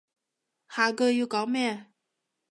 下句要講咩？